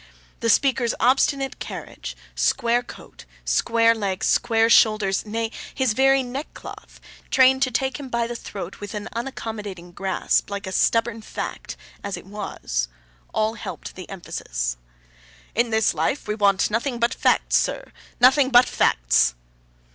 The speaker's obstinate carriage, square coat, square legs, square shoulders,—nay, his very neckcloth, trained to take him by the throat with an unaccommodating grasp, like a stubborn fact, as it was,—all helped the emphasis. 'In this life, we want nothing but Facts, sir; nothing but Facts!